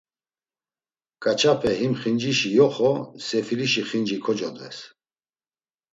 Ǩaç̌ape him xincişi yoxo Sefilişi Xinci kocodves.